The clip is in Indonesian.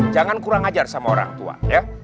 jangan kurang ajar sama orang tua ya